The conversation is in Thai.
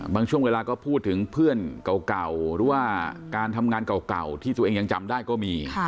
ช่วงเวลาก็พูดถึงเพื่อนเก่าหรือว่าการทำงานเก่าที่ตัวเองยังจำได้ก็มี